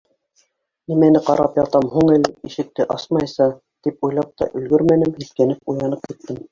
Нимәне ҡарап ятам һуң әле ишекте асмайса, — тип уйлап та өлгөрмәнем, һиҫкәнеп уянып киттем.